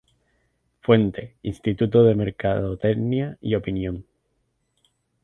Fuente: Instituto de Mercadotecnia y Opinión